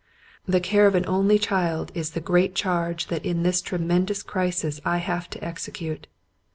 The care of an only child is the great charge that in this tremendous crisis I have to execute.